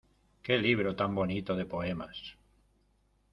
¡Qué libro tan bonito de poemas!